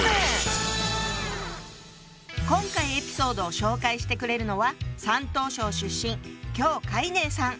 今回エピソードを紹介してくれるのは山東省出身姜海寧さん。